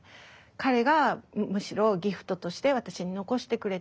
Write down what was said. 彼がむしろギフトとして私に残してくれた。